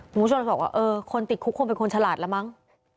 ผู้ชมบอกว่าคนติดคุกคงเป็นคนฉลาดแล้วมั้ง